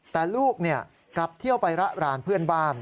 แต่ลูกกลับเที่ยวไประรานเพื่อนบ้าน